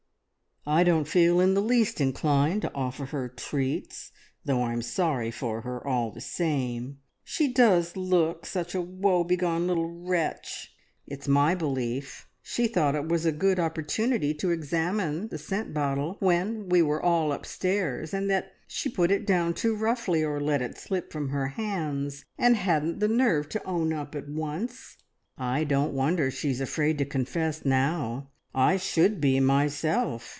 "I don't feel in the least inclined to offer her treats, though I'm sorry for her all the same. She does look such a woe begone little wretch! It's my belief she thought it was a good opportunity to examine the scent bottle when we were all upstairs, and that she put it down too roughly or let it slip from her hands and hadn't the nerve to own up at once. I don't wonder she is afraid to confess now; I should be myself.